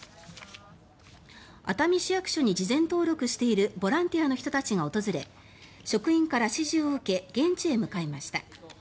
熱海市役所に事前登録しているボランティアの人たちが訪れ職員から指示を受け現地へ向かいました。